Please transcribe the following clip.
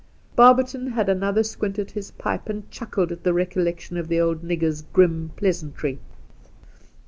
Barberton had another squint at his pipe, and chuckled at the recollection of the old nigger's grim pleasantry.